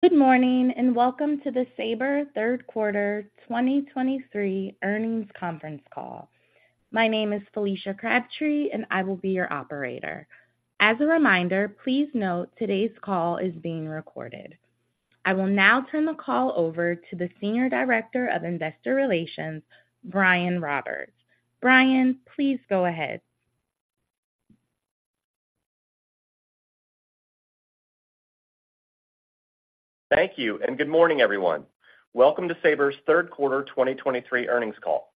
Good morning, and welcome to the Sabre Third Quarter 2023 Earnings Conference Call. My name is Felicia Crabtree, and I will be your operator. As a reminder, please note today's call is being recorded. I will now turn the call over to the Senior Director of Investor Relations, Brian Roberts. Brian, please go ahead. Thank you, and good morning, everyone. Welcome to Sabre's Third Quarter 2023 Earnings Call.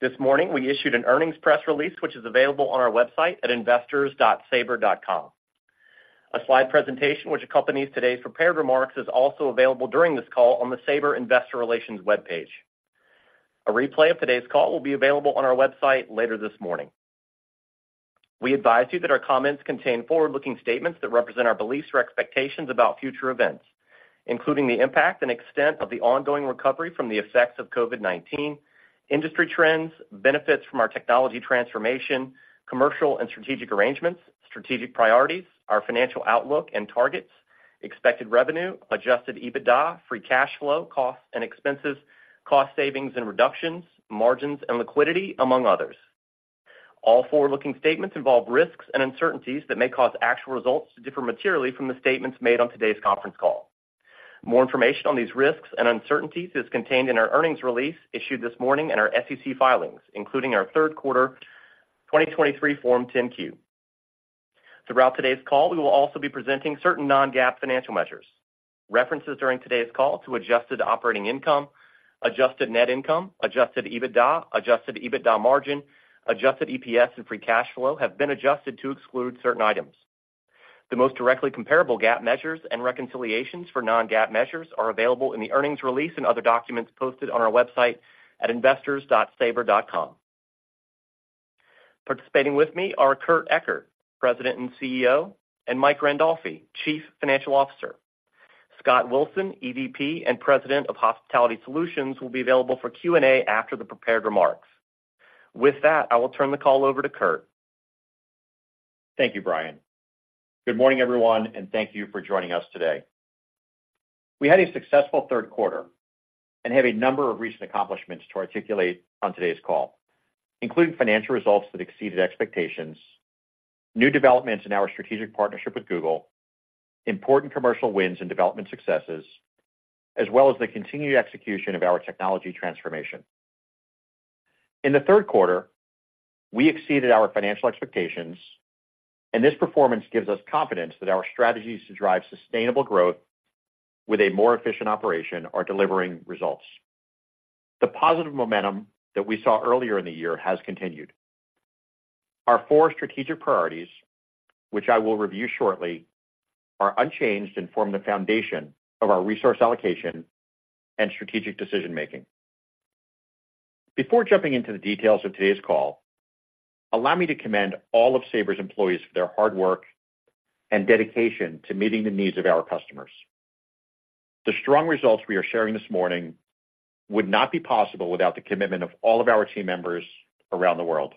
This morning, we issued an earnings press release, which is available on our website at investors.sabre.com. A slide presentation that accompanies today's prepared remarks is also available during this call on the Sabre Investor Relations webpage. A replay of today's call will be available on our website later this morning. We advise you that our comments contain forward-looking statements that represent our beliefs or expectations about future events, including the impact and extent of the ongoing recovery from the effects of COVID-19, industry trends, benefits from our technology transformation, commercial and strategic arrangements, strategic priorities, our financial outlook and targets, expected revenue, adjusted EBITDA, free cash flow, costs and expenses, cost savings and reductions, margins and liquidity, among others. All forward-looking statements involve risks and uncertainties that may cause actual results to differ materially from the statements made on today's conference call. More information on these risks and uncertainties is contained in our earnings release issued this morning and our SEC filings, including our third quarter 2023 Form 10-Q. Throughout today's call, we will also be presenting certain non-GAAP financial measures. References during today's call to adjusted operating income, adjusted net income, adjusted EBITDA, adjusted EBITDA margin, adjusted EPS and free cash flow have been adjusted to exclude certain items. The most directly comparable GAAP measures and reconciliations for non-GAAP measures are available in the earnings release and other documents posted on our website at investors.sabre.com. Participating with me are Kurt Ekert, President and CEO, and Mike Randolfi, Chief Financial Officer. Scott Wilson, EVP and President of Hospitality Solutions, will be available for Q&A after the prepared remarks. With that, I will turn the call over to Kurt. Thank you, Brian. Good morning, everyone, and thank you for joining us today. We had a successful third quarter and have a number of recent accomplishments to articulate on today's call, including financial results that exceeded expectations, new developments in our strategic partnership with Google, important commercial wins and development successes, as well as the continued execution of our technology transformation. In the third quarter, we exceeded our financial expectations, and this performance gives us confidence that our strategies to drive sustainable growth with a more efficient operation are delivering results. The positive momentum that we saw earlier in the year has continued. Our four strategic priorities, which I will review shortly, are unchanged and form the foundation of our resource allocation and strategic decision-making. Before jumping into the details of today's call, allow me to commend all of Sabre's employees for their hard work and dedication to meeting the needs of our customers. The strong results we are sharing this morning would not be possible without the commitment of all of our team members around the world.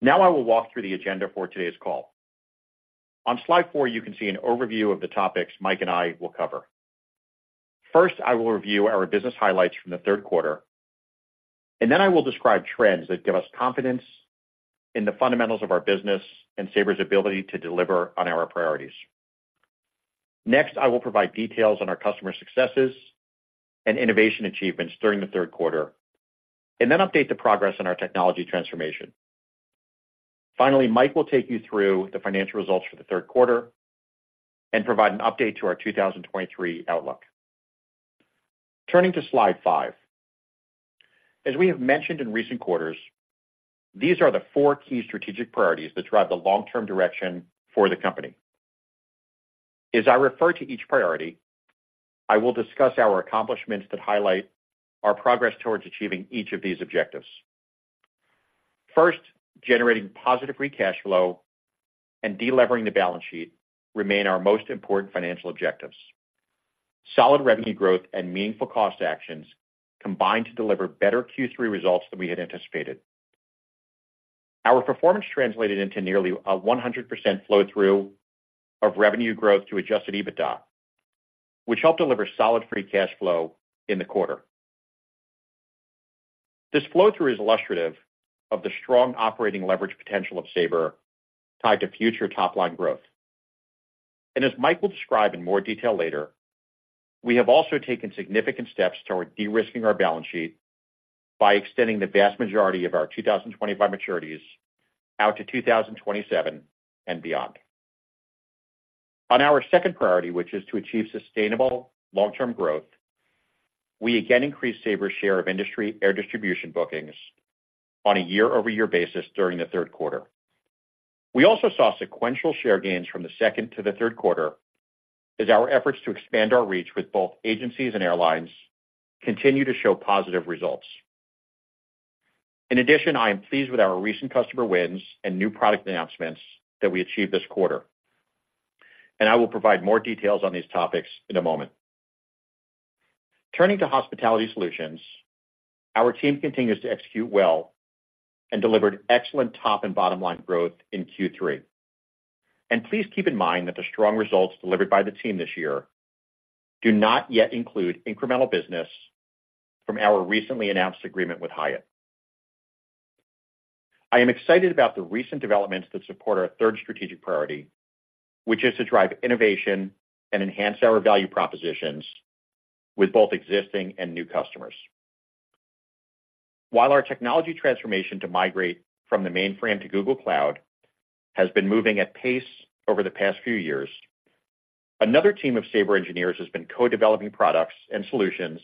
Now I will walk through the agenda for today's call. On slide four, you can see an overview of the topics Mike and I will cover. First, I will review our business highlights from the third quarter, and then I will describe trends that give us confidence in the fundamentals of our business and Sabre's ability to deliver on our priorities. Next, I will provide details on our customer successes and innovation achievements during the third quarter, and then update the progress on our technology transformation. Finally, Mike will take you through the financial results for the third quarter and provide an update to our 2023 outlook. Turning to slide five. As we have mentioned in recent quarters, these are the four key strategic priorities that drive the long-term direction for the company. As I refer to each priority, I will discuss our accomplishments that highlight our progress towards achieving each of these objectives. First, generating positive free cash flow and delevering the balance sheet remain our most important financial objectives. Solid revenue growth and meaningful cost actions combined to deliver better Q3 results than we had anticipated. Our performance translated into nearly a 100% flow-through of revenue growth to adjusted EBITDA, which helped deliver solid free cash flow in the quarter. This flow-through is illustrative of the strong operating leverage potential of Sabre tied to future top-line growth. As Mike will describe in more detail later, we have also taken significant steps toward de-risking our balance sheet by extending the vast majority of our 2025 maturities out to 2027 and beyond. On our second priority, which is to achieve sustainable long-term growth, we again increased Sabre's share of industry air distribution bookings on a year-over-year basis during the third quarter. We also saw sequential share gains from the second to the third quarter as our efforts to expand our reach with both agencies and airlines continue to show positive results. In addition, I am pleased with our recent customer wins and new product announcements that we achieved this quarter, and I will provide more details on these topics in a moment. Turning to Hospitality Solutions, our team continues to execute well and delivered excellent top and bottom line growth in Q3. Please keep in mind that the strong results delivered by the team this year do not yet include incremental business from our recently announced agreement with Hyatt. I am excited about the recent developments that support our third strategic priority, which is to drive innovation and enhance our value propositions with both existing and new customers. While our technology transformation to migrate from the mainframe to Google Cloud has been moving at pace over the past few years, another team of Sabre engineers has been co-developing products and solutions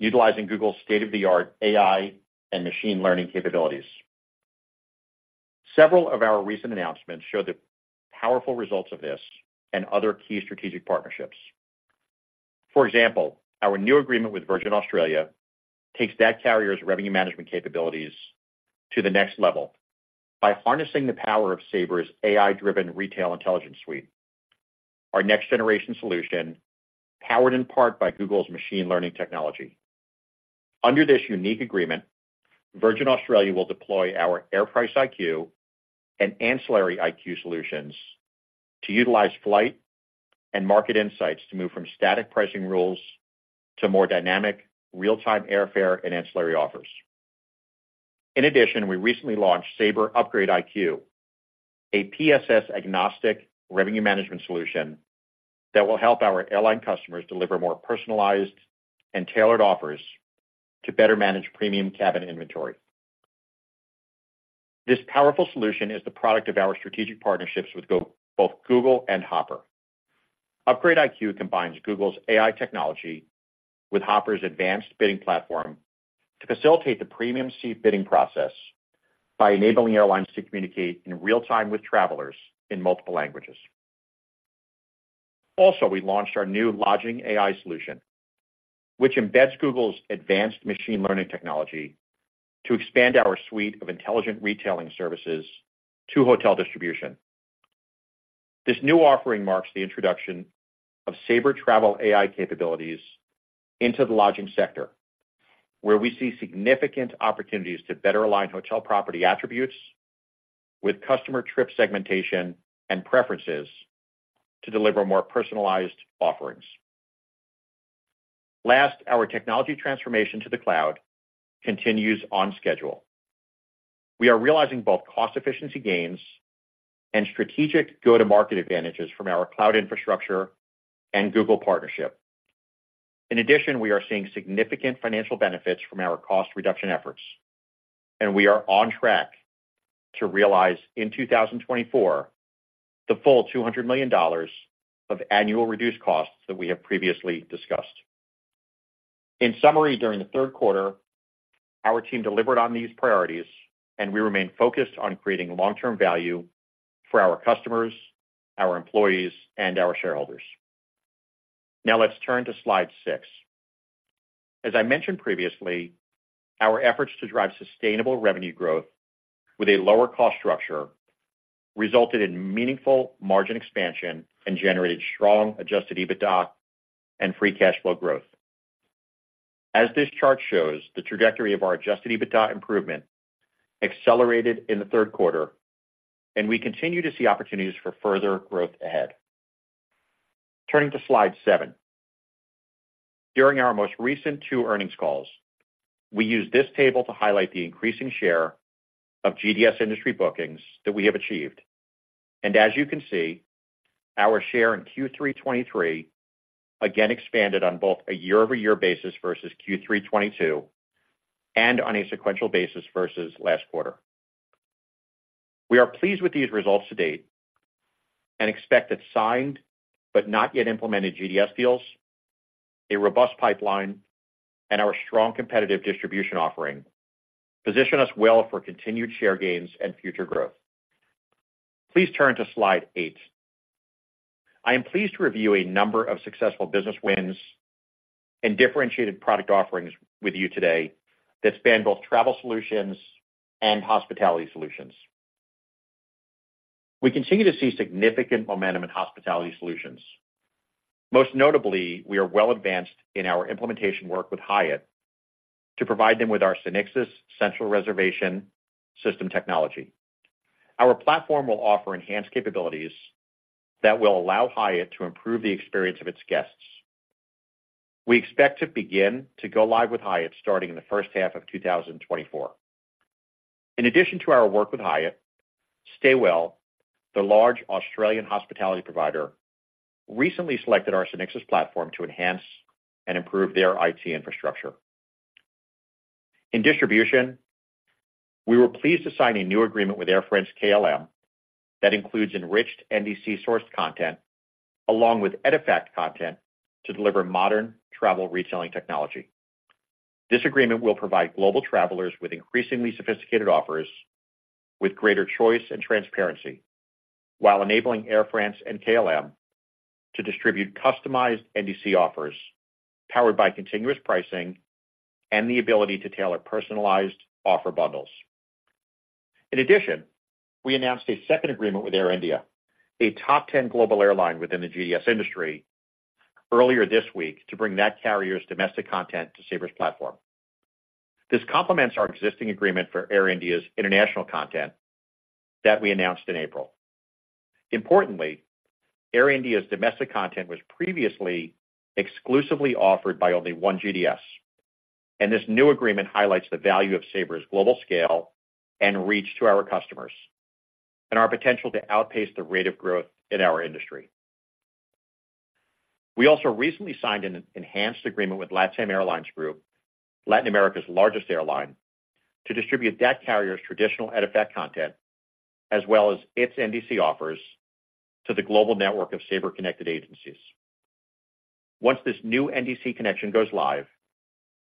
utilizing Google's state-of-the-art AI and machine learning capabilities. Several of our recent announcements show the powerful results of this and other key strategic partnerships. For example, our new agreement with Virgin Australia takes that carrier's revenue management capabilities to the next level by harnessing the power of Sabre's AI-driven Retail Intelligence suite, our next generation solution, powered in part by Google's machine learning technology. Under this unique agreement, Virgin Australia will deploy our Air Price IQ and Ancillary IQ solutions to utilize flight and market insights to move from static pricing rules to more dynamic, real-time airfare and ancillary offers. In addition, we recently launched Sabre Upgrade IQ, a PSS-agnostic revenue management solution that will help our airline customers deliver more personalized and tailored offers to better manage premium cabin inventory. This powerful solution is the product of our strategic partnerships with both Google and Hopper. Upgrade IQ combines Google's AI technology with Hopper's advanced bidding platform to facilitate the premium seat bidding process by enabling airlines to communicate in real time with travelers in multiple languages. Also, we launched our new Lodging AI solution, which embeds Google's advanced machine learning technology to expand our suite of intelligent retailing services to hotel distribution. This new offering marks the introduction of Sabre Travel AI capabilities into the lodging sector, where we see significant opportunities to better align hotel property attributes with customer trip segmentation and preferences to deliver more personalized offerings. Last, our technology transformation to the cloud continues on schedule. We are realizing both cost efficiency gains and strategic go-to-market advantages from our cloud infrastructure and Google partnership. In addition, we are seeing significant financial benefits from our cost reduction efforts, and we are on track to realize in 2024, the full $200 million of annual reduced costs that we have previously discussed. In summary, during the third quarter, our team delivered on these priorities, and we remain focused on creating long-term value for our customers, our employees, and our shareholders. Now, let's turn to slide six. As I mentioned previously, our efforts to drive sustainable revenue growth with a lower cost structure resulted in meaningful margin expansion and generated strong adjusted EBITDA and free cash flow growth. As this chart shows, the trajectory of our adjusted EBITDA improvement accelerated in the third quarter, and we continue to see opportunities for further growth ahead. Turning to slide seven. During our most recent two earnings calls, we used this table to highlight the increasing share of GDS industry bookings that we have achieved, and as you can see, our share in Q3 2023 again expanded on both a year-over-year basis versus Q3 2022, and on a sequential basis versus last quarter. We are pleased with these results to date and expect that signed, but not yet implemented GDS deals, a robust pipeline, and our strong competitive distribution offering position us well for continued share gains and future growth. Please turn to slide eight. I am pleased to review a number of successful business wins and differentiated product offerings with you today that span both travel solutions and hospitality solutions. We continue to see significant momentum in hospitality solutions. Most notably, we are well-advanced in our implementation work with Hyatt to provide them with our SynXis Central Reservation System technology. Our platform will offer enhanced capabilities that will allow Hyatt to improve the experience of its guests. We expect to begin to go live with Hyatt starting in the first half of 2024. In addition to our work with Hyatt, StayWell, the large Australian hospitality provider, recently selected our SynXis platform to enhance and improve their IT infrastructure. In distribution, we were pleased to sign a new agreement with Air France-KLM that includes enriched NDC-sourced content along with EDIFACT content to deliver modern travel retailing technology. This agreement will provide global travelers with increasingly sophisticated offers, with greater choice and transparency, while enabling Air France and KLM to distribute customized NDC offers powered by continuous pricing and the ability to tailor personalized offer bundles. In addition, we announced a second agreement with Air India, a top 10 global airline within the GDS industry, earlier this week to bring that carrier's domestic content to Sabre's platform. This complements our existing agreement for Air India's international content that we announced in April. Importantly, Air India's domestic content was previously exclusively offered by only one GDS, and this new agreement highlights the value of Sabre's global scale and reach to our customers, and our potential to outpace the rate of growth in our industry. We also recently signed an enhanced agreement with LATAM Airlines Group, Latin America's largest airline, to distribute that carrier's traditional EDIFACT content, as well as its NDC offers, to the global network of Sabre-connected agencies. Once this new NDC connection goes live,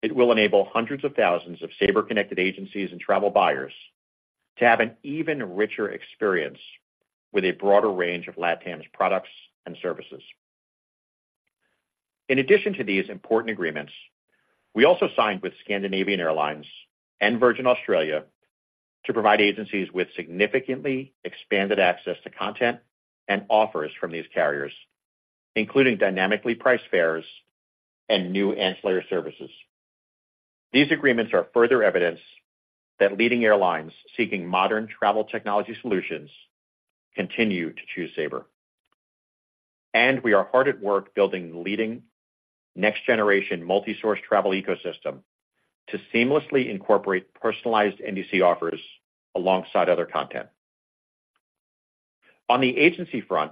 it will enable hundreds of thousands of Sabre-connected agencies and travel buyers to have an even richer experience with a broader range of LATAM's products and services. In addition to these important agreements, we also signed with Scandinavian Airlines and Virgin Australia to provide agencies with significantly expanded access to content and offers from these carriers, including dynamically priced fares and new ancillary services. These agreements are further evidence that leading airlines seeking modern travel technology solutions continue to choose Sabre, and we are hard at work building leading next generation multi-source travel ecosystem to seamlessly incorporate personalized NDC offers alongside other content. On the agency front,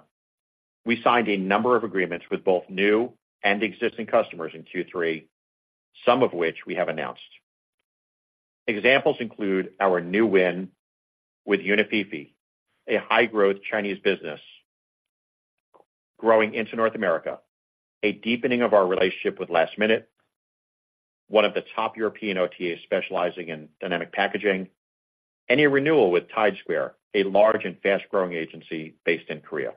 we signed a number of agreements with both new and existing customers in Q3, some of which we have announced. Examples include our new win with Unififi, a high-growth Chinese business growing into North America, a deepening of our relationship with Lastminute, one of the top European OTAs specializing in dynamic packaging, and a renewal with Tidesquare, a large and fast-growing agency based in Korea.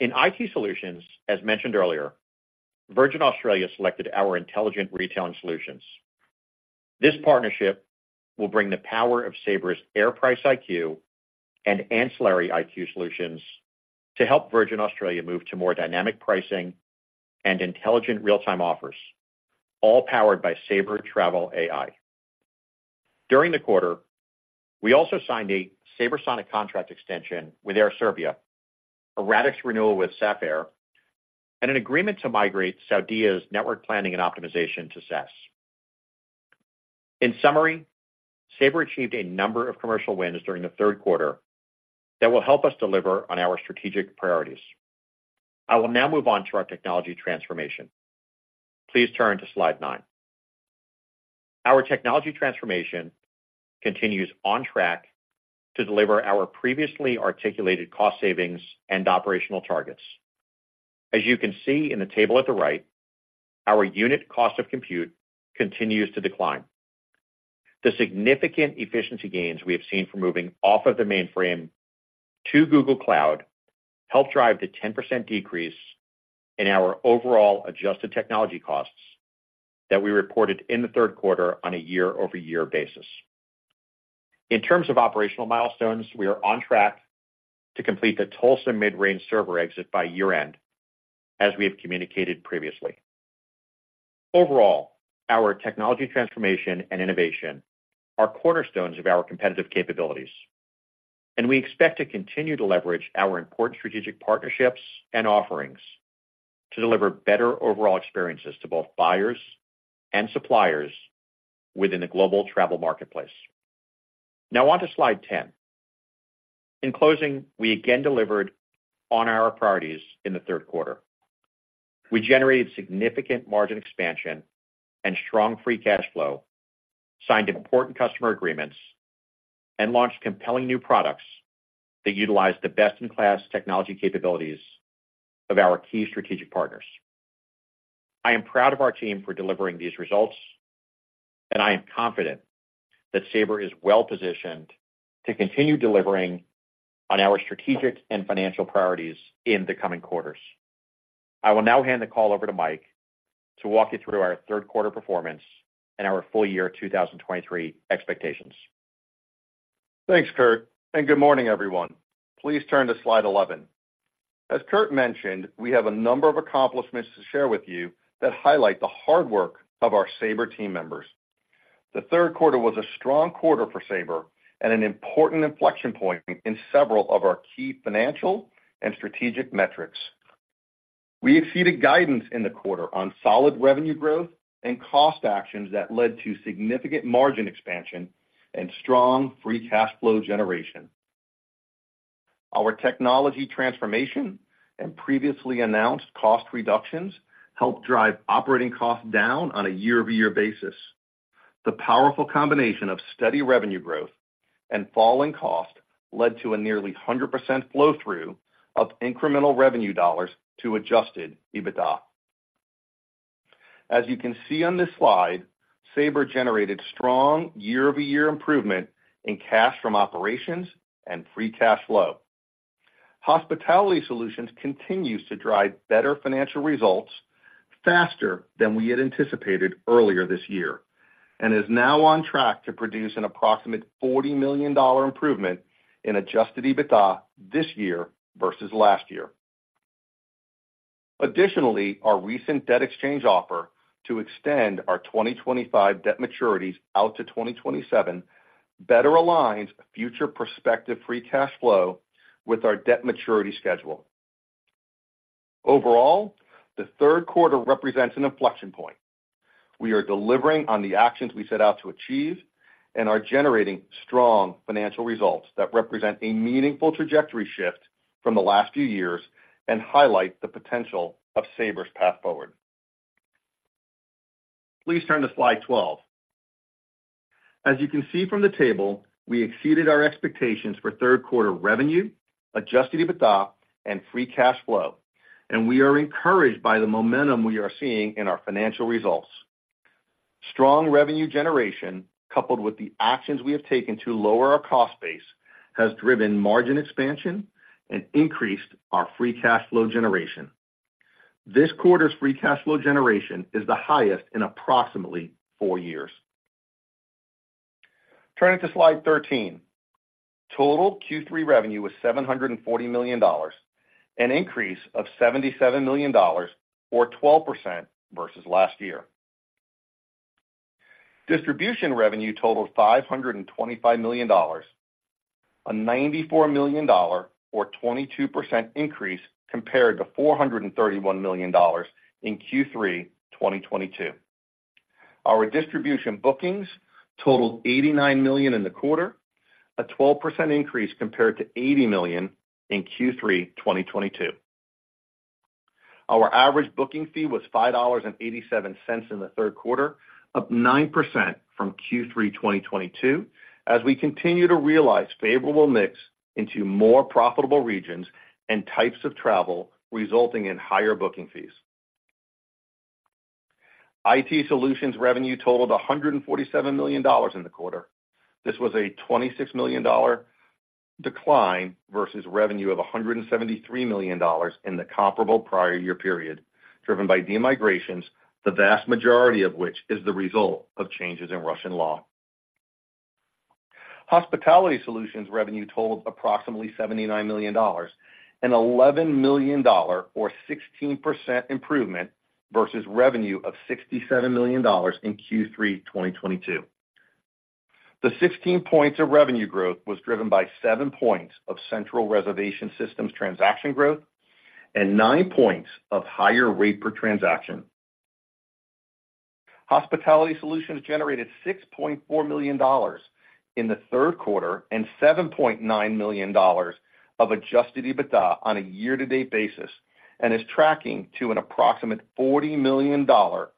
In IT solutions, as mentioned earlier, Virgin Australia selected our intelligent retailing solutions. This partnership will bring the power of Sabre's Air Price IQ and Ancillary IQ solutions to help Virgin Australia move to more dynamic pricing and intelligent real-time offers, all powered by Sabre Travel AI. During the quarter, we also signed a SabreSonic contract extension with Air Serbia, a Radixx renewal with Sabre, and an agreement to migrate Saudia's network planning and optimization to SaaS. In summary, Sabre achieved a number of commercial wins during the third quarter that will help us deliver on our strategic priorities. I will now move on to our technology transformation. Please turn to slide nine. Our technology transformation continues on track to deliver our previously articulated cost savings and operational targets. As you can see in the table at the right, our unit cost of compute continues to decline. The significant efficiency gains we have seen from moving off of the mainframe to Google Cloud helped drive the 10% decrease in our overall adjusted technology costs that we reported in the third quarter on a year-over-year basis. In terms of operational milestones, we are on track to complete the Tulsa mid-range server exit by year-end, as we have communicated previously. Overall, our technology, transformation, and innovation are cornerstones of our competitive capabilities, and we expect to continue to leverage our important strategic partnerships and offerings to deliver better overall experiences to both buyers and suppliers within the global travel marketplace. Now on to slide 10. In closing, we again delivered on our priorities in the third quarter. We generated significant margin expansion and strong free cash flow, signed important customer agreements, and launched compelling new products that utilize the best-in-class technology capabilities of our key strategic partners. I am proud of our team for delivering these results, and I am confident that Sabre is well-positioned to continue delivering on our strategic and financial priorities in the coming quarters. I will now hand the call over to Mike to walk you through our third quarter performance and our full year 2023 expectations. Thanks, Kurt, and good morning, everyone. Please turn to slide 11. As Kurt mentioned, we have a number of accomplishments to share with you that highlight the hard work of our Sabre team members. The third quarter was a strong quarter for Sabre and an important inflection point in several of our key financial and strategic metrics. We exceeded guidance in the quarter on solid revenue growth and cost actions that led to significant margin expansion and strong free cash flow generation. Our technology transformation and previously announced cost reductions helped drive operating costs down on a year-over-year basis. The powerful combination of steady revenue growth and falling costs led to a nearly 100% flow through of incremental revenue dollars to adjusted EBITDA. As you can see on this slide, Sabre generated strong year-over-year improvement in cash from operations and free cash flow. Hospitality Solutions continues to drive better financial results faster than we had anticipated earlier this year, and is now on track to produce an approximate $40 million improvement in adjusted EBITDA this year versus last year. Additionally, our recent debt exchange offer to extend our 2025 debt maturities out to 2027, better aligns future prospective free cash flow with our debt maturity schedule. Overall, the third quarter represents an inflection point. We are delivering on the actions we set out to achieve and are generating strong financial results that represent a meaningful trajectory shift from the last few years and highlight the potential of Sabre's path forward. Please turn to slide 12. As you can see from the table, we exceeded our expectations for third-quarter revenue, adjusted EBITDA, and free cash flow, and we are encouraged by the momentum we are seeing in our financial results. Strong revenue generation, coupled with the actions we have taken to lower our cost base, has driven margin expansion and increased our free cash flow generation. This quarter's free cash flow generation is the highest in approximately four years. Turning to slide 13. Total Q3 revenue was $740 million, an increase of $77 million or 12% versus last year. Distribution revenue totaled $525 million, a $94 million, or 22% increase compared to $431 million in Q3 2022. Our distribution bookings totaled $89 million in the quarter, a 12% increase compared to $80 million in Q3 2022. Our average booking fee was $5.87 in the third quarter, up 9% from Q3 2022, as we continue to realize favorable mix into more profitable regions and types of travel, resulting in higher booking fees. IT Solutions revenue totaled $147 million in the quarter. This was a $26 million decline versus revenue of $173 million in the comparable prior year period, driven by demigrations, the vast majority of which is the result of changes in Russian law. Hospitality Solutions revenue totaled approximately $79 million, an $11 million or 16% improvement versus revenue of $67 million in Q3 2022. The 16 points of revenue growth was driven by 7 points of central reservation systems transaction growth and 9 points of higher rate per transaction. Hospitality Solutions generated $6.4 million in the third quarter and $7.9 million of adjusted EBITDA on a year-to-date basis, and is tracking to an approximate $40 million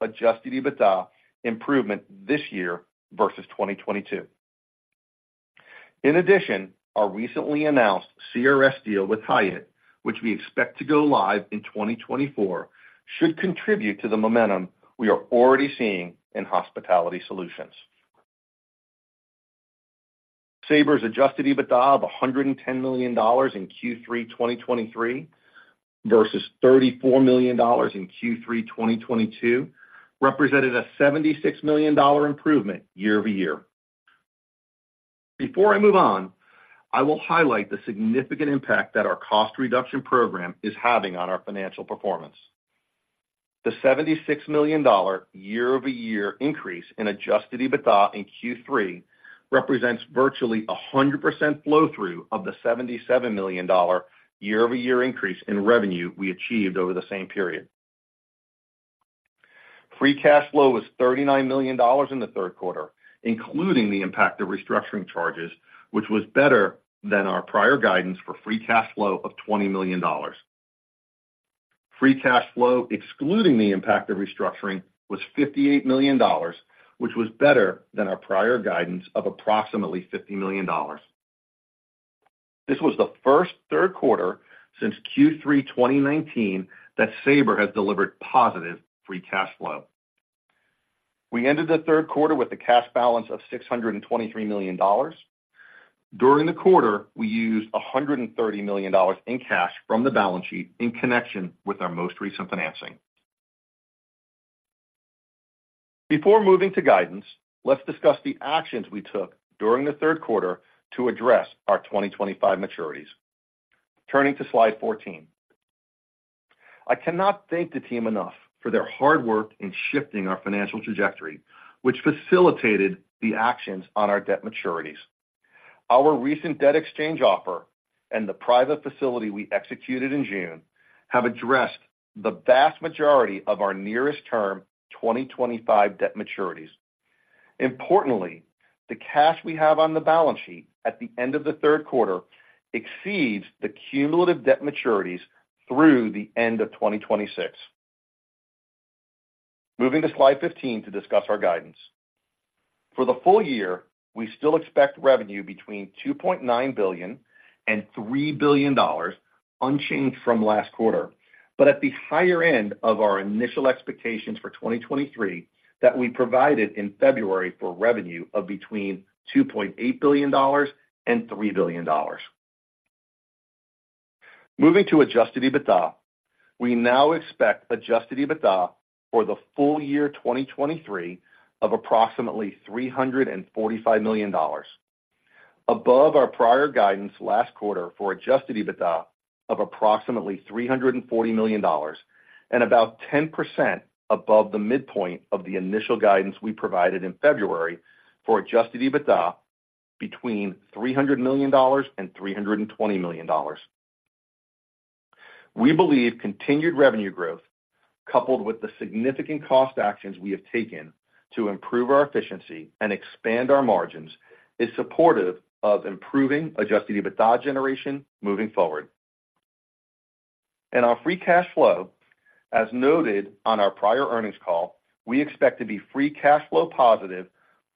adjusted EBITDA improvement this year versus 2022. In addition, our recently announced CRS deal with Hyatt, which we expect to go live in 2024, should contribute to the momentum we are already seeing in Hospitality Solutions. Sabre's adjusted EBITDA of $110 million in Q3 2023 versus $34 million in Q3 2022 represented a $76 million improvement year-over-year. Before I move on, I will highlight the significant impact that our cost reduction program is having on our financial performance. The $76 million year-over-year increase in adjusted EBITDA in Q3 represents virtually 100% flow through of the $77 million year-over-year increase in revenue we achieved over the same period. Free cash flow was $39 million in the third quarter, including the impact of restructuring charges, which was better than our prior guidance for free cash flow of $20 million. Free cash flow, excluding the impact of restructuring, was $58 million, which was better than our prior guidance of approximately $50 million. This was the first third quarter since Q3 2019 that Sabre has delivered positive free cash flow. We ended the third quarter with a cash balance of $623 million. During the quarter, we used $130 million in cash from the balance sheet in connection with our most recent financing. Before moving to guidance, let's discuss the actions we took during the third quarter to address our 2025 maturities. Turning to slide 14. I cannot thank the team enough for their hard work in shifting our financial trajectory, which facilitated the actions on our debt maturities. Our recent debt exchange offer and the private facility we executed in June have addressed the vast majority of our near-term, 2025 debt maturities. Importantly, the cash we have on the balance sheet at the end of the third quarter exceeds the cumulative debt maturities through the end of 2026. Moving to slide 15 to discuss our guidance. For the full year, we still expect revenue between $2.9 billion and $3 billion, unchanged from last quarter, but at the higher end of our initial expectations for 2023 that we provided in February for revenue of between $2.8 billion and $3 billion. Moving to adjusted EBITDA, we now expect adjusted EBITDA for the full year 2023 of approximately $345 million, above our prior guidance last quarter for adjusted EBITDA of approximately $340 million, and about 10% above the midpoint of the initial guidance we provided in February for adjusted EBITDA between $300 million and $320 million. We believe continued revenue growth, coupled with the significant cost actions we have taken to improve our efficiency and expand our margins, is supportive of improving adjusted EBITDA generation moving forward. Our free cash flow, as noted on our prior earnings call, we expect to be free cash flow positive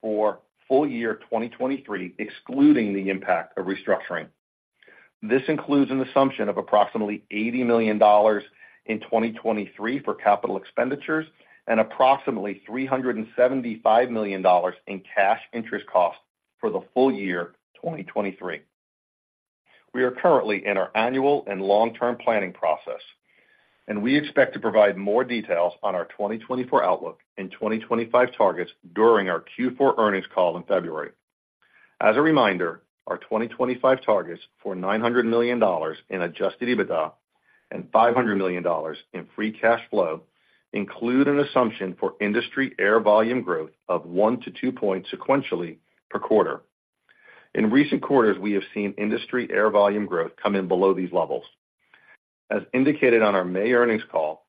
for full year 2023, excluding the impact of restructuring. This includes an assumption of approximately $80 million in 2023 for capital expenditures and approximately $375 million in cash interest costs for the full year 2023. We are currently in our annual and long-term planning process, and we expect to provide more details on our 2024 outlook and 2025 targets during our Q4 earnings call in February. As a reminder, our 2025 targets for $900 million in adjusted EBITDA and $500 million in free cash flow include an assumption for industry air volume growth of 1-2 points sequentially per quarter. In recent quarters, we have seen industry air volume growth come in below these levels. As indicated on our May earnings call,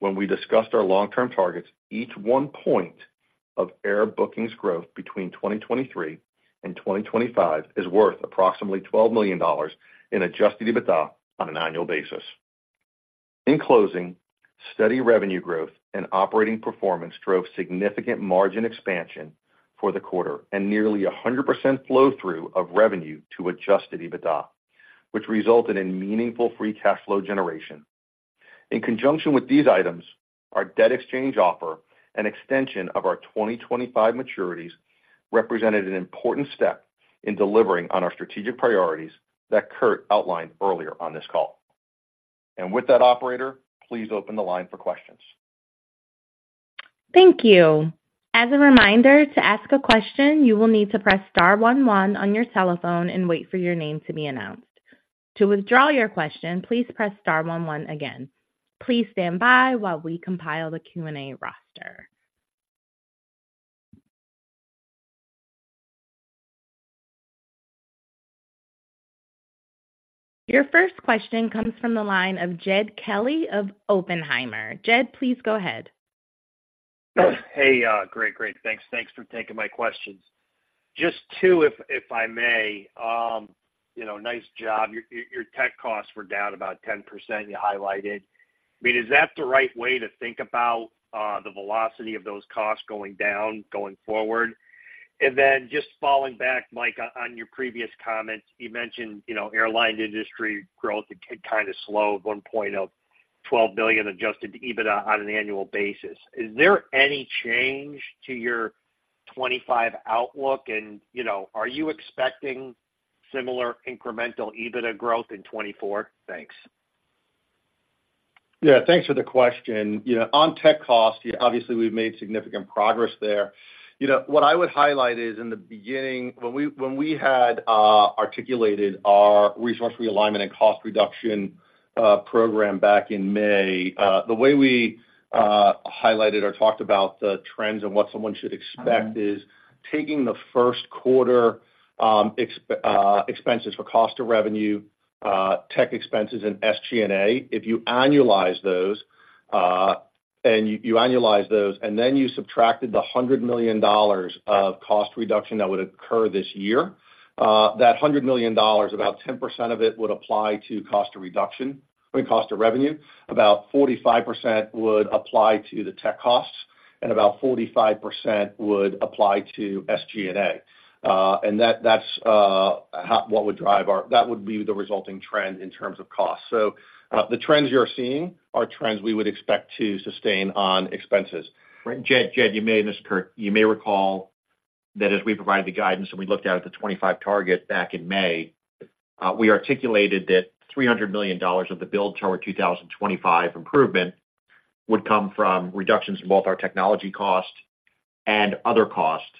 when we discussed our long-term targets, each one point of air bookings growth between 2023 and 2025 is worth approximately $12 million in adjusted EBITDA on an annual basis. In closing, steady revenue growth and operating performance drove significant margin expansion for the quarter and nearly 100% flow through of revenue to adjusted EBITDA, which resulted in meaningful free cash flow generation. In conjunction with these items, our debt exchange offer and extension of our 2025 maturities represented an important step in delivering on our strategic priorities that Kurt outlined earlier on this call. And with that, operator, please open the line for questions. Thank you. As a reminder, to ask a question, you will need to press star one one on your telephone and wait for your name to be announced. To withdraw your question, please press star one one again. Please stand by while we compile the Q&A roster. Your first question comes from the line of Jed Kelly of Oppenheimer. Jed, please go ahead. Hey, great, great, thanks. Thanks for taking my questions. Just two, if I may. You know, nice job. Your tech costs were down about 10%, you highlighted. I mean, is that the right way to think about the velocity of those costs going down, going forward? And then just falling back, Mike, on your previous comments, you mentioned, you know, airline industry growth had kind of slowed one point of $12 billion adjusted EBITDA on an annual basis. Is there any change to your 25 outlook? And, you know, are you expecting similar incremental EBITDA growth in 2024? Thanks. Yeah, thanks for the question. You know, on tech costs, obviously, we've made significant progress there. You know, what I would highlight is in the beginning, when we had articulated our resource realignment and cost reduction program back in May, the way we highlighted or talked about the trends and what someone should expect is taking the first quarter expenses for cost of revenue, tech expenses, and SG&A. If you annualize those, and you annualize those, and then you subtracted the $100 million of cost reduction that would occur this year, that $100 million, about 10% of it, would apply to cost of reduction- I mean, cost of revenue, about 45% would apply to the tech costs, and about 45% would apply to SG&A. That would be the resulting trend in terms of costs. So, the trends you're seeing are trends we would expect to sustain on expenses. Jed, you may, and this is Kurt. You may recall that as we provided the guidance and we looked out at the 25 target back in May, we articulated that $300 million of the build toward 2025 improvement would come from reductions in both our technology costs and other costs.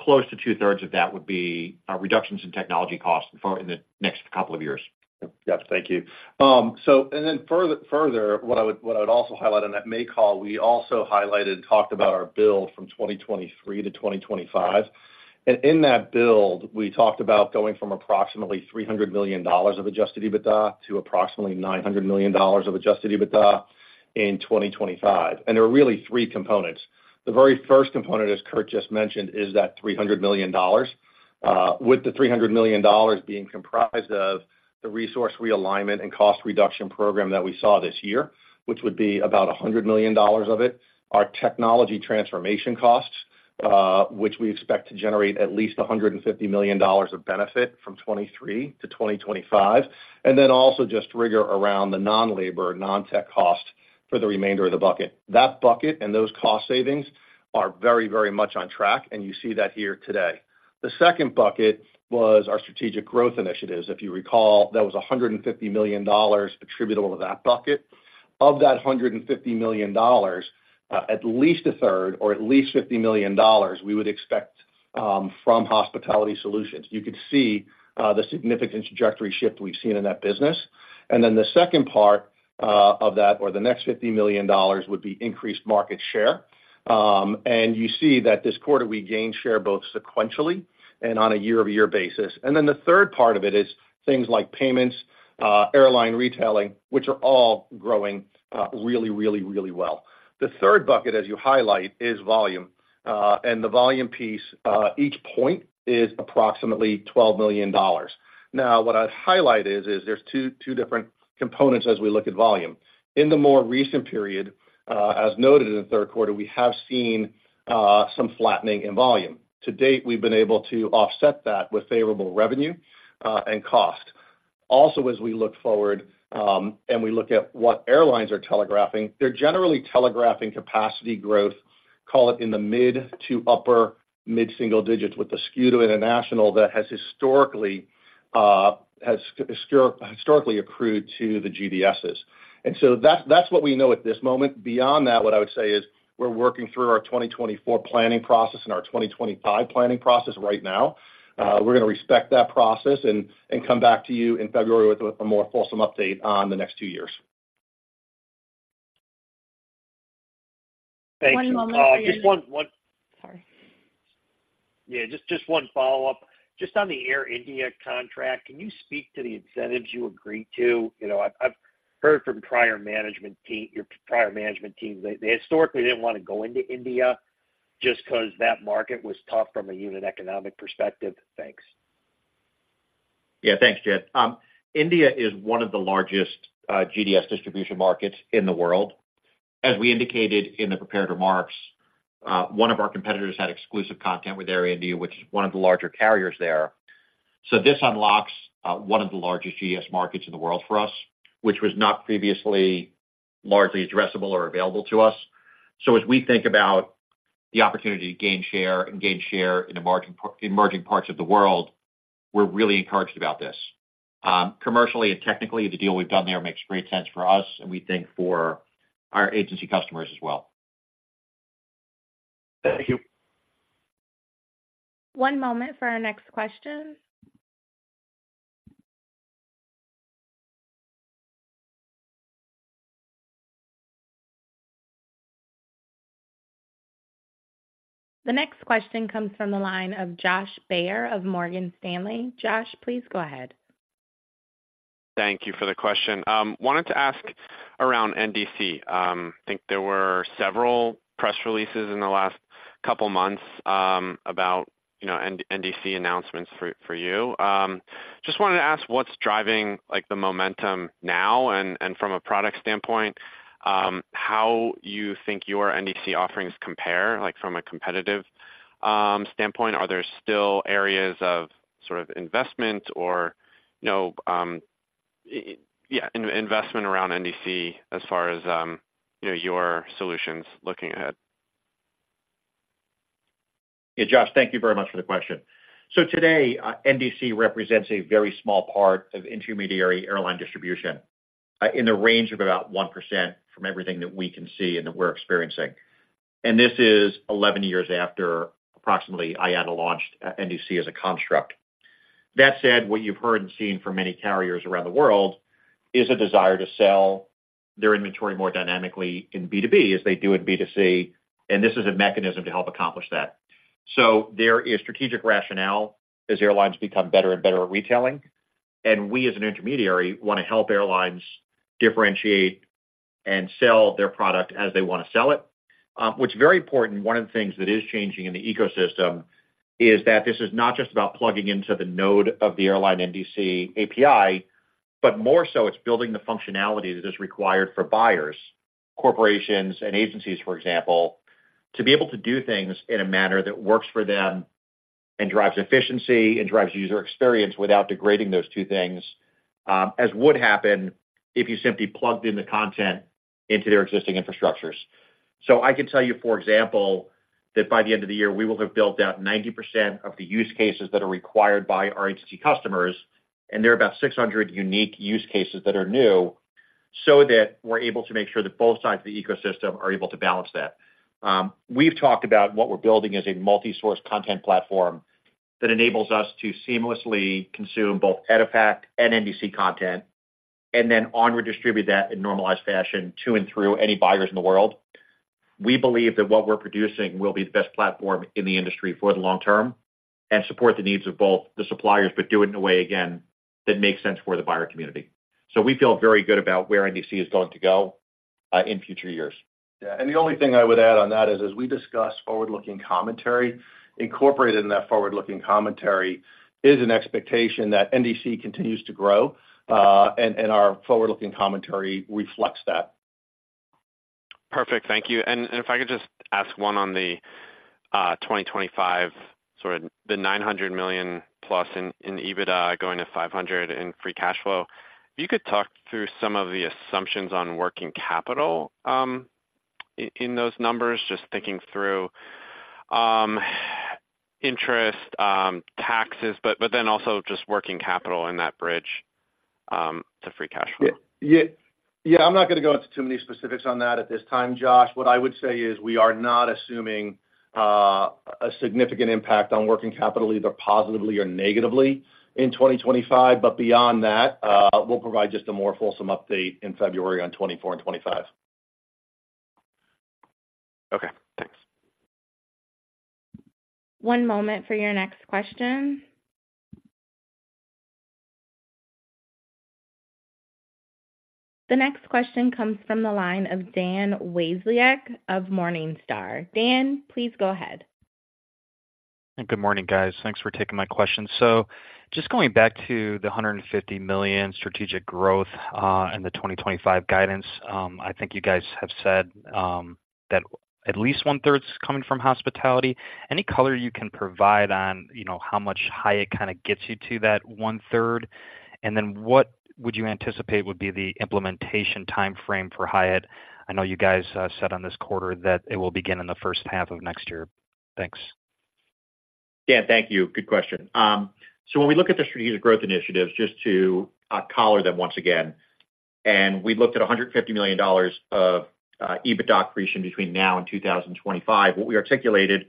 Close to two-thirds of that would be reductions in technology costs in the next couple of years. Yep, thank you. So and then further, what I would also highlight, on that May call, we also highlighted and talked about our build from 2023 to 2025. And in that build, we talked about going from approximately $300 million of adjusted EBITDA to approximately $900 million of adjusted EBITDA in 2025. And there are really three components. The very first component, as Kurt just mentioned, is that $300 million, with the $300 million being comprised of the resource realignment and cost reduction program that we saw this year, which would be about $100 million of it. Our technology transformation costs, which we expect to generate at least $150 million of benefit from 2023 to 2025, and then also just rigor around the non-labor, non-tech costs for the remainder of the bucket. That bucket and those cost savings are very, very much on track, and you see that here today. The second bucket was our strategic growth initiatives. If you recall, that was $150 million attributable to that bucket. Of that $150 million, at least a third or at least $50 million, we would expect from Hospitality Solutions. You could see the significant trajectory shift we've seen in that business. And then the second part of that, or the next $50 million, would be increased market share. And you see that this quarter, we gained share both sequentially and on a year-over-year basis. And then the third part of it is things like payments, airline retailing, which are all growing really, really, really well. The third bucket, as you highlight, is volume. And the volume piece, each point is approximately $12 million. Now, what I'd highlight is there's two different components as we look at volume. In the more recent period, as noted in the third quarter, we have seen some flattening in volume. To date, we've been able to offset that with favorable revenue and cost. Also, as we look forward, and we look at what airlines are telegraphing, they're generally telegraphing capacity growth, call it in the mid- to upper mid-single digits, with a skew to international that has historically accrued to the GDSs. And so that's what we know at this moment. Beyond that, what I would say is, we're working through our 2024 planning process and our 2025 planning process right now. We're gonna respect that process and come back to you in February with a more fulsome update on the next two years. Yeah, just one follow-up. Just on the Air India contract, can you speak to the incentives you agreed to? You know, I've heard from prior management team, your prior management team, they historically didn't want to go into India just 'cause that market was tough from a unit economic perspective. Thanks. Yeah, thanks, Jed. India is one of the largest GDS distribution markets in the world. As we indicated in the prepared remarks, one of our competitors had exclusive content with Air India, which is one of the larger carriers there. So this unlocks one of the largest GDS markets in the world for us, which was not previously largely addressable or available to us. So as we think about the opportunity to gain share and gain share in emerging parts of the world, we're really encouraged about this. Commercially and technically, the deal we've done there makes great sense for us, and we think for our agency customers as well. Thank you. One moment for our next question. The next question comes from the line of Josh Baer of Morgan Stanley. Josh, please go ahead. Thank you for the question. Wanted to ask around NDC. I think there were several press releases in the last couple of months, about, you know, NDC announcements for, for you. Just wanted to ask what's driving, like, the momentum now, and, and from a product standpoint, how you think your NDC offerings compare, like, from a competitive, standpoint? Are there still areas of sort of investment or, you know, yeah, investment around NDC as far as, you know, your solutions looking ahead? Yeah, Josh, thank you very much for the question. So today, NDC represents a very small part of intermediary airline distribution, in the range of about 1% from everything that we can see and that we're experiencing. This is 11 years after approximately IATA launched NDC as a construct. That said, what you've heard and seen from many carriers around the world is a desire to sell their inventory more dynamically in B2B as they do in B2C, and this is a mechanism to help accomplish that. There is strategic rationale as airlines become better and better at retailing, and we, as an intermediary, want to help airlines differentiate and sell their product as they want to sell it. What's very important, one of the things that is changing in the ecosystem is that this is not just about plugging into the node of the airline NDC API, but more so it's building the functionality that is required for buyers, corporations and agencies, for example, to be able to do things in a manner that works for them and drives efficiency and drives user experience without degrading those two things, as would happen if you simply plugged in the content into their existing infrastructures. So I can tell you, for example, that by the end of the year, we will have built out 90% of the use cases that are required by our agency customers, and there are about 600 unique use cases that are new, so that we're able to make sure that both sides of the ecosystem are able to balance that. We've talked about what we're building as a multi-source content platform that enables us to seamlessly consume both EDIFACT and NDC content, and then onward distribute that in normalized fashion to and through any buyers in the world. We believe that what we're producing will be the best platform in the industry for the long term and support the needs of both the suppliers, but do it in a way, again, that makes sense for the buyer community. So we feel very good about where NDC is going to go in future years. Yeah, and the only thing I would add on that is, as we discuss forward-looking commentary, incorporated in that forward-looking commentary is an expectation that NDC continues to grow, our forward-looking commentary reflects that. Perfect. Thank you. And if I could just ask one on the 2025, sort of the $900 million+ in EBITDA, going to $500 million in free cash flow. If you could talk through some of the assumptions on working capital. In those numbers, just thinking through interest, taxes, but then also just working capital in that bridge to free cash flow. Yeah, yeah. I'm not gonna go into too many specifics on that at this time, Josh. What I would say is we are not assuming a significant impact on working capital, either positively or negatively, in 2025. But beyond that, we'll provide just a more fulsome update in February on 2024 and 2025. Okay, thanks. One moment for your next question. The next question comes from the line of Dan Wasiolek of Morningstar. Dan, please go ahead. Good morning, guys. Thanks for taking my question. So just going back to the $150 million strategic growth and the 2025 guidance, I think you guys have said that at least one third's coming from hospitality. Any color you can provide on, you know, how much Hyatt kind of gets you to that one third? And then what would you anticipate would be the implementation timeframe for Hyatt? I know you guys said on this quarter that it will begin in the first half of next year. Thanks. Dan, thank you. Good question. So when we look at the strategic growth initiatives, just to collar them once again, and we looked at $150 million of EBITDA accretion between now and 2025, what we articulated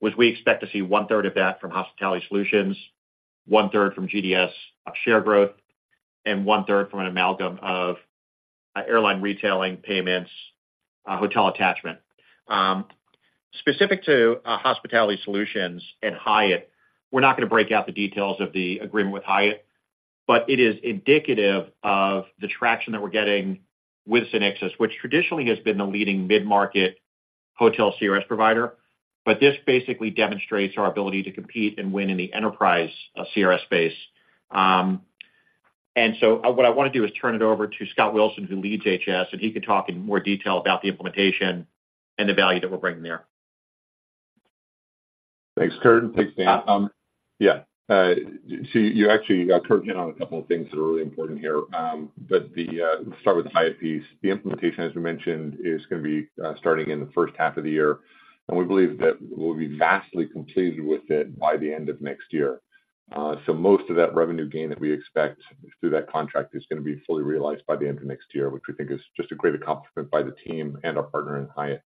was we expect to see one third of that from Hospitality Solutions, one third from GDS share growth, and one third from an amalgam of airline retailing, payments, hotel attachment. Specific to Hospitality Solutions and Hyatt, we're not gonna break out the details of the agreement with Hyatt, but it is indicative of the traction that we're getting with SynXis, which traditionally has been the leading mid-market hotel CRS provider. But this basically demonstrates our ability to compete and win in the enterprise CRS space. And so what I want to do is turn it over to Scott Wilson, who leads HS, and he can talk in more detail about the implementation and the value that we're bringing there. Thanks, Kurt, and thanks, Dan. So you actually, Kurt, hit on a couple of things that are really important here. Start with the Hyatt piece. The implementation, as we mentioned, is gonna be starting in the first half of the year, and we believe that we'll be vastly completed with it by the end of next year. So most of that revenue gain that we expect through that contract is gonna be fully realized by the end of next year, which we think is just a great accomplishment by the team and our partner in Hyatt.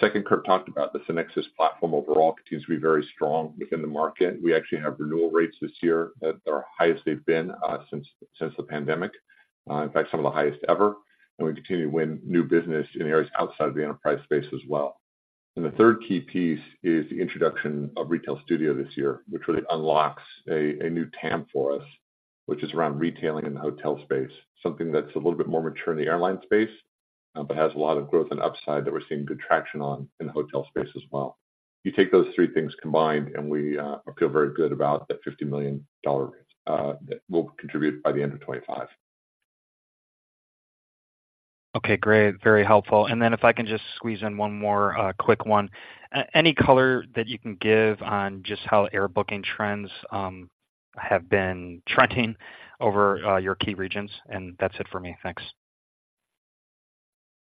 Second, Kurt talked about the SynXis platform overall continues to be very strong within the market. We actually have renewal rates this year that are highest they've been since the pandemic, in fact, some of the highest ever. We continue to win new business in areas outside the enterprise space as well. The third key piece is the introduction of Retail Studio this year, which really unlocks a new TAM for us, which is around retailing in the hotel space. Something that's a little bit more mature in the airline space, but has a lot of growth and upside that we're seeing good traction on in the hotel space as well. You take those three things combined, and we feel very good about that $50 million rate that we'll contribute by the end of 2025. Okay, great. Very helpful. And then if I can just squeeze in one more, quick one. Any color that you can give on just how air booking trends have been trending over your key regions, and that's it for me. Thanks.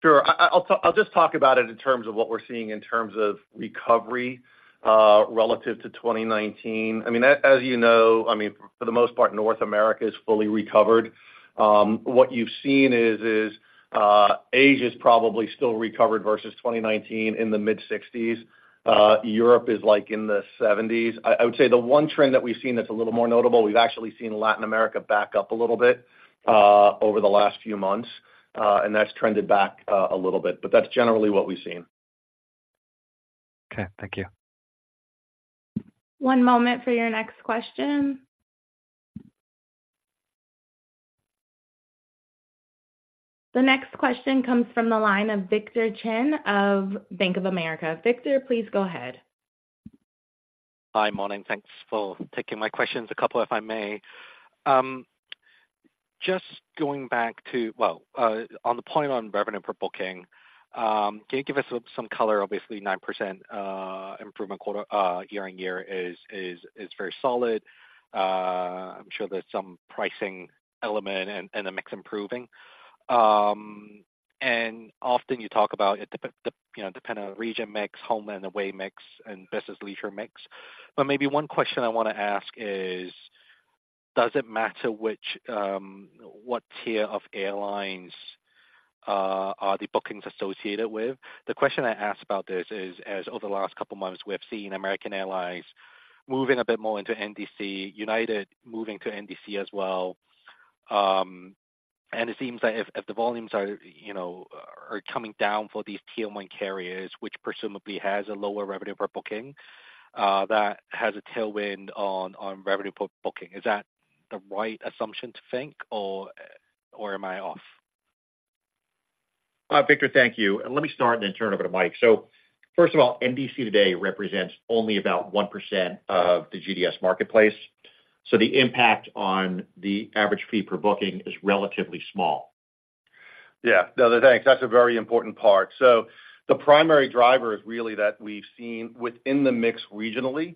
Sure. I'll just talk about it in terms of what we're seeing in terms of recovery relative to 2019. I mean, as you know, I mean, for the most part, North America is fully recovered. What you've seen is Asia is probably still recovered versus 2019 in the mid-60s. Europe is, like, in the 70s. I would say the one trend that we've seen that's a little more notable, we've actually seen Latin America back up a little bit over the last few months, and that's trended back a little bit, but that's generally what we've seen. Okay, thank you. One moment for your next question. The next question comes from the line of Victor Cheng of Bank of America. Victor, please go ahead. Hi, morning. Thanks for taking my questions. A couple, if I may. Well, on the point on revenue per booking, can you give us some color? Obviously, 9% improvement quarter-over-quarter is very solid. I'm sure there's some pricing element and, and the mix is improving. And often you talk about it you know, depend on region mix, home and away mix, and business leisure mix. But maybe one question I wanna ask is: does it matter which, what tier of airlines, are the bookings associated with? The question I ask about this is, as over the last couple of months, we have seen American Airlines moving a bit more into NDC, United moving to NDC as well. And it seems that if the volumes are, you know, coming down for these tier one carriers, which presumably has a lower revenue per booking, that has a tailwind on revenue per booking. Is that the right assumption to think, or am I off? Victor, thank you. And let me start and then turn over to Mike. So first of all, NDC today represents only about 1% of the GDS marketplace, so the impact on the average fee per booking is relatively small. Yeah. No, thanks. That's a very important part. The primary driver is really that we've seen within the mix regionally,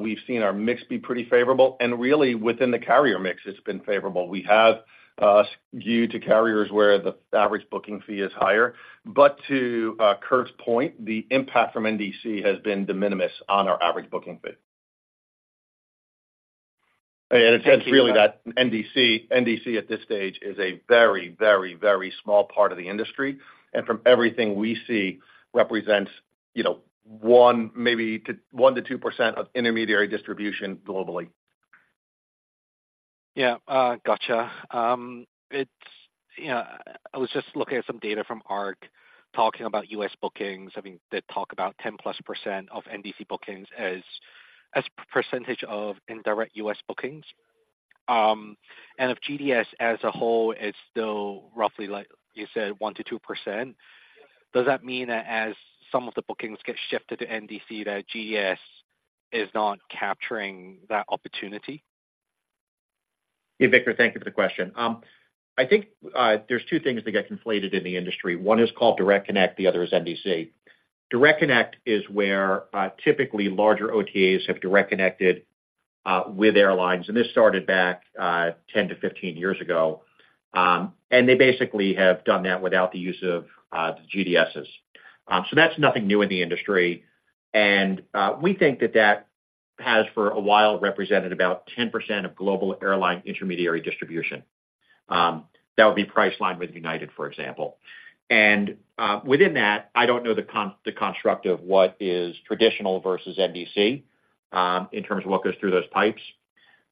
we've seen our mix be pretty favorable, and really, within the carrier mix, it's been favorable. We have skewed to carriers where the average booking fee is higher. But to Kurt's point, the impact from NDC has been de minimis on our average booking fee. And it says really that NDC, NDC at this stage is a very, very, very small part of the industry, and from everything we see, represents, you know, 1, maybe to 1 to 2% of intermediary distribution globally. Yeah, gotcha. It's yeah, I was just looking at some data from ARC, talking about U.S. bookings, having they talk about 10%+ of NDC bookings as percentage of indirect U.S. bookings. And if GDS as a whole is still roughly, like you said, 1%-2%, does that mean that as some of the bookings get shifted to NDC, that GDS is not capturing that opportunity? Yeah, Victor, thank you for the question. I think there's two things that get conflated in the industry. One is called Direct Connect, the other is NDC. Direct Connect is where typically larger OTAs have direct connected with airlines, and this started back 10-15 years ago. And they basically have done that without the use of the GDSs. So that's nothing new in the industry, and we think that that has, for a while, represented about 10% of global airline intermediary distribution. That would be Priceline with United, for example. And within that, I don't know the construct of what is traditional versus NDC, in terms of what goes through those pipes.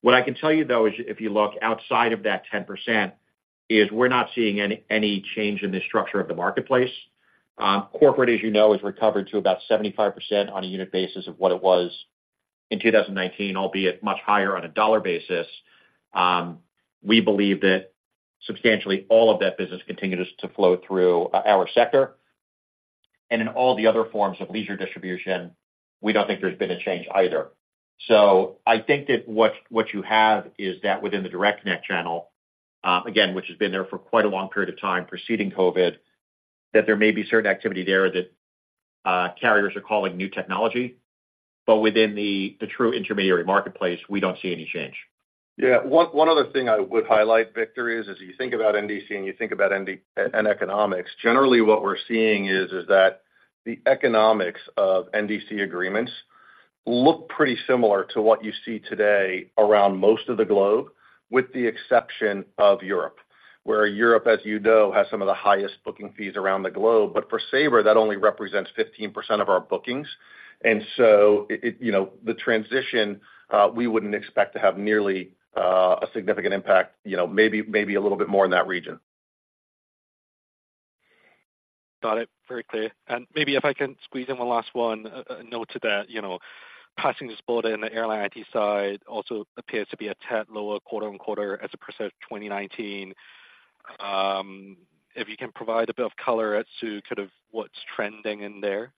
What I can tell you, though, is if you look outside of that 10%, we're not seeing any change in the structure of the marketplace. Corporate, as you know, has recovered to about 75% on a unit basis of what it was in 2019, albeit much higher on a dollar basis. We believe that substantially all of that business continues to flow through our sector, and in all the other forms of leisure distribution, we don't think there's been a change either. So I think that what you have is that within the Direct Connect channel, again, which has been there for quite a long period of time, preceding COVID, that there may be certain activity there that carriers are calling new technology, but within the true intermediary marketplace, we don't see any change. Yeah. One other thing I would highlight, Victor, is as you think about NDC and you think about NDC and economics, generally what we're seeing is that the economics of NDC agreements look pretty similar to what you see today around most of the globe, with the exception of Europe. Where Europe, as you know, has some of the highest booking fees around the globe. But for Sabre, that only represents 15% of our bookings, and so it, you know, the transition, we wouldn't expect to have nearly a significant impact, you know, maybe a little bit more in that region. Got it. Very clear. And maybe if I can squeeze in one last one, noted that, you know, passengers boarded in the airline IT side also appears to be a tad lower quarter-over-quarter as a % of 2019. If you can provide a bit of color as to kind of what's trending in there.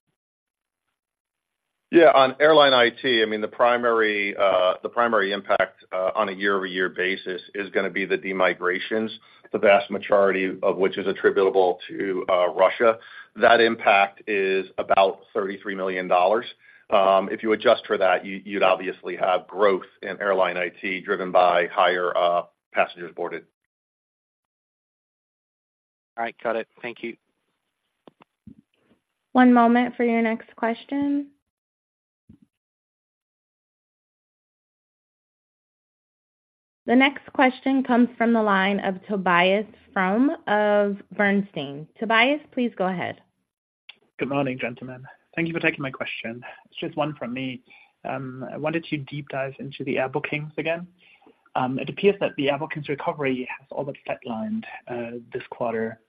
Yeah. On airline IT, I mean, the primary, the primary impact, on a year-over-year basis is gonna be the demigrations, the vast majority of which is attributable to, Russia. That impact is about $33 million. If you adjust for that, you, you'd obviously have growth in airline IT, driven by higher, passengers boarded. All right, got it. Thank you. One moment for your next question. The next question comes from the line of Tobias Fromme of Bernstein. Tobias, please go ahead. Good morning, gentlemen. Thank you for taking my question. It's just one from me. I wanted to deep dive into the air bookings again. It appears that the air bookings recovery has all but flatlined this quarter.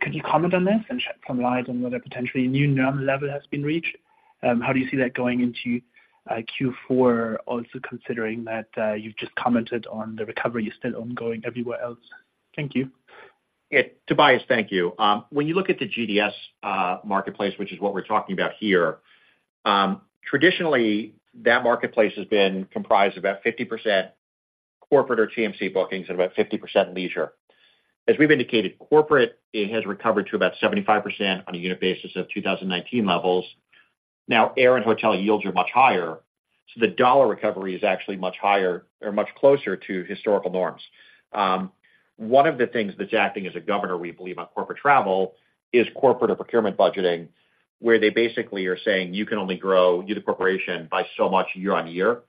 Could you comment on this and shed some light on whether potentially a new normal level has been reached? How do you see that going into Q4, also considering that you've just commented on the recovery is still ongoing everywhere else? Thank you. Yeah, Tobias, thank you. When you look at the GDS marketplace, which is what we're talking about here, traditionally, that marketplace has been comprised of about 50% corporate or TMC bookings and about 50% leisure. As we've indicated, corporate, it has recovered to about 75% on a unit basis of 2019 levels. Now, air and hotel yields are much higher, so the dollar recovery is actually much higher or much closer to historical norms. One of the things that's acting as a governor, we believe, on corporate travel, is corporate or procurement budgeting, where they basically are saying, "You can only grow the corporation by so much year on year."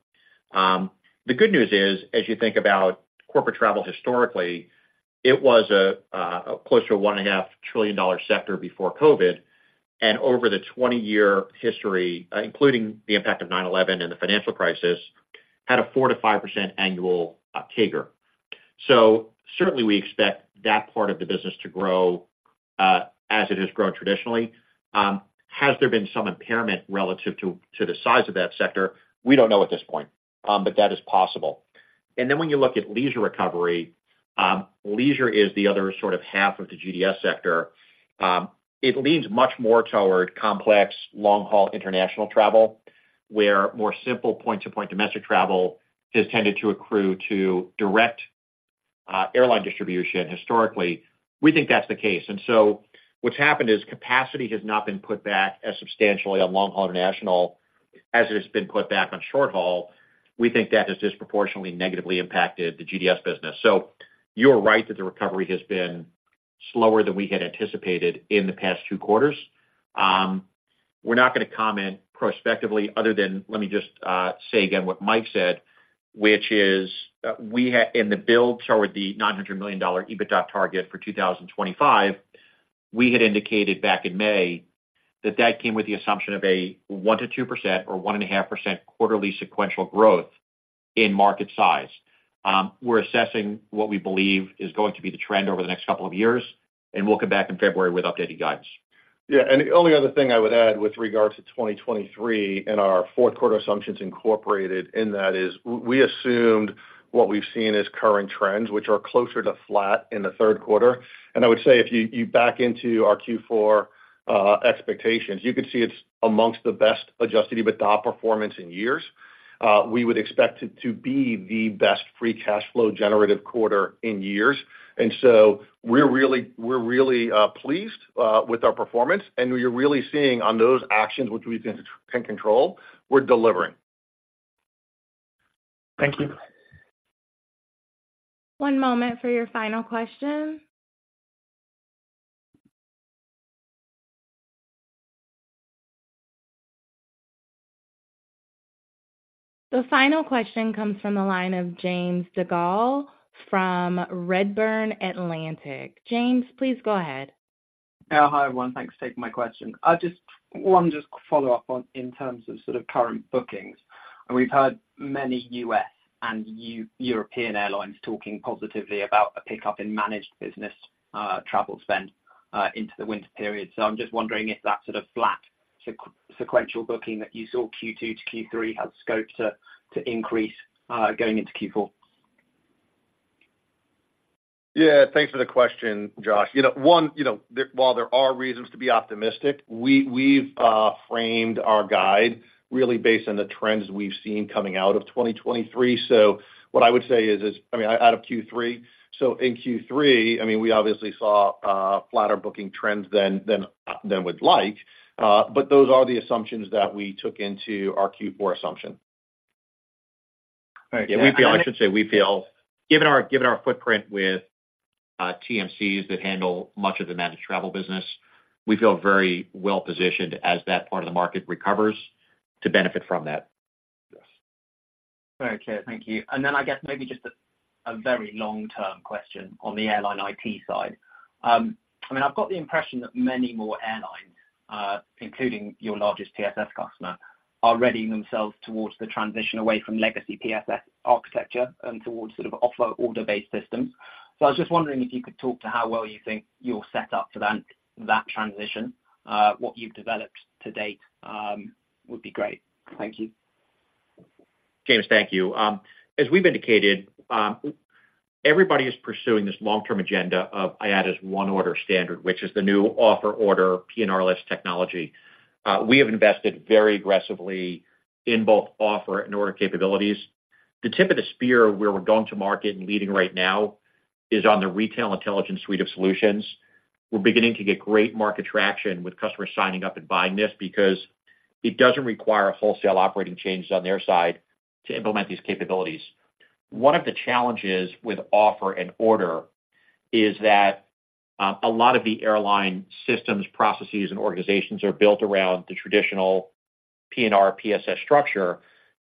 The good news is, as you think about corporate travel historically, it was a closer to $1.5 trillion sector before COVID, and over the 20-year history, including the impact of 9/11 and the financial crisis, had a 4%-5% annual CAGR. So certainly we expect that part of the business to grow, as it has grown traditionally. Has there been some impairment relative to the size of that sector? We don't know at this point, but that is possible. And then when you look at leisure recovery, leisure is the other sort of half of the GDS sector. It leans much more toward complex long-haul international travel, where more simple point-to-point domestic travel has tended to accrue to direct airline distribution historically. We think that's the case. And so what's happened is capacity has not been put back as substantially on long-haul international as it has been put back on short-haul. We think that has disproportionately negatively impacted the GDS business. So you're right that the recovery has been slower than we had anticipated in the past two quarters. We're not gonna comment prospectively other than let me just say again what Mike said, which is, we had in the build toward the $900 million EBITDA target for 2025, we had indicated back in May that that came with the assumption of a 1%-2% or 1.5% quarterly sequential growth in market size. We're assessing what we believe is going to be the trend over the next couple of years, and we'll come back in February with updated guidance. The only other thing I would add with regards to 2023 and our fourth quarter assumptions incorporated in that is we assumed what we've seen as current trends, which are closer to flat in the third quarter. And I would say if you back into our Q4 expectations, you could see it's amongst the best adjusted EBITDA performance in years. We would expect it to be the best free cash flow generative quarter in years, and so we're really pleased with our performance, and we're really seeing on those actions which we can control, we're delivering. Thank you. One moment for your final question. The final question comes from the line of James Goodall from Redburn Atlantic. James, please go ahead. Hi, everyone. Thanks for taking my question. One, just follow up on in terms of sort of current bookings. We've heard many U.S. and European airlines talking positively about a pickup in managed business travel spend, into the winter period. So I'm just wondering if that sort of flat sequential booking that you saw Q2 to Q3 has scope to, to increase, going into Q4. Yeah, thanks for the question, Josh. While there are reasons to be optimistic, we've framed our guide really based on the trends we've seen coming out of 2023. So what I would say is out of Q3, so in Q3, we obviously saw flatter booking trends than we'd like, but those are the assumptions that we took into our Q4 assumption. We feel, I should say, given our footprint with TMCs that handle much of the managed travel business, we feel very well positioned as that part of the market recovers to benefit from that. Very clear. Thank you. And then I guess maybe just a very long-term question on the airline IT side. I mean, I've got the impression that many more airlines, including your largest PSS customer, are readying themselves towards the transition away from legacy PSS architecture and towards sort of offer order-based systems. So I was just wondering if you could talk to how well you think you're set up for that, that transition, what you've developed to date, would be great. Thank you. James, thank you. As we've indicated, everybody is pursuing this long-term agenda of IATA's One Order standard, which is the new offer order PNR-less technology. We have invested very aggressively in both offer and order capabilities. The tip of the spear where we're going to market and leading right now is on the Retail Intelligence Suite of solutions. We're beginning to get great market traction with customers signing up and buying this because it doesn't require wholesale operating changes on their side to implement these capabilities. One of the challenges with offer and order is that, a lot of the airline systems, processes, and organizations are built around the traditional PNR, PSS structure,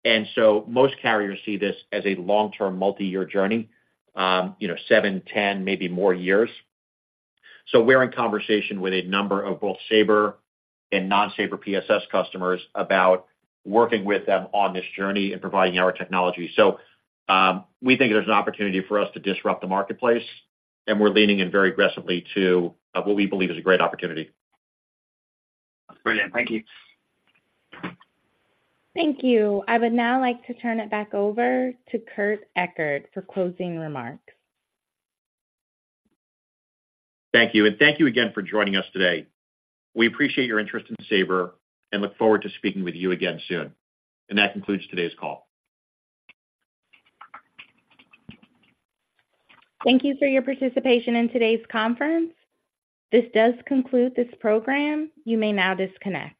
and so most carriers see this as a long-term, multi-year journey, you know, seven, 10, maybe more years. So we're in conversation with a number of both Sabre and non-Sabre PSS customers about working with them on this journey and providing our technology. So, we think there's an opportunity for us to disrupt the marketplace, and we're leaning in very aggressively to what we believe is a great opportunity. Brilliant. Thank you. Thank you. I would now like to turn it back over to Kurt Ekert for closing remarks. Thank you. Thank you again for joining us today. We appreciate your interest in Sabre and look forward to speaking with you again soon. That concludes today's call. Thank you for your participation in today's conference. This does conclude this program. You may now disconnect.